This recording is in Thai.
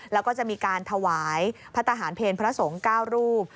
แล้วก็จะมีการถวายพระทหารเพลพระสงฆ์๙รูป